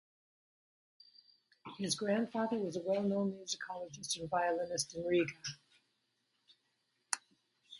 His grandfather was a well-known musicologist and violinist in Riga.